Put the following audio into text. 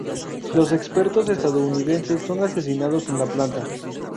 Los expertos estadounidenses son asesinados en la planta.